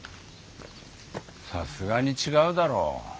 さすがに違うだろ？